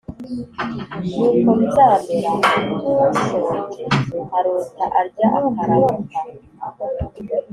Nuko bizamera nk ushonje arota arya akaramuka